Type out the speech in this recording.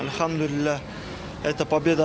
alhamdulillah saya merasa sangat baik